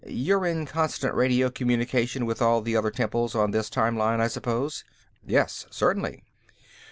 You're in constant radio communication with all the other temples on this time line, I suppose?" "Yes, certainly."